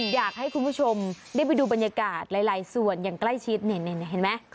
อยากให้คุณผู้ชมได้ไปดูบรรยากาศหลายส่วนอย่างใกล้ชิดนี่เห็นไหม